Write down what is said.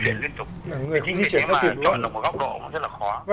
chính vì thế mà chọn được một góc độ cũng rất là khó